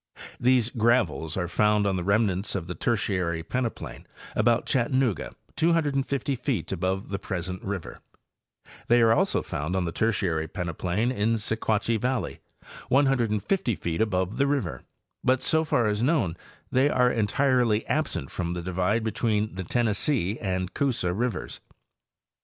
These gravels are found on the remnants of the Tertiary peneplain about Chattanooga, 250 feet above the present river; they are also found on the Tertiary peneplain in Sequatchie valley, 150 feet above the river, but so far as known they are entirely absent from the divide between the Tennessee and Coosa rivers.